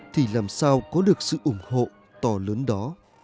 thì làm sao có được sự ủng hộ to lớn đó